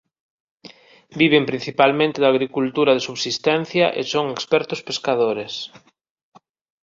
Viven principalmente da agricultura de subsistencia e son expertos pescadores.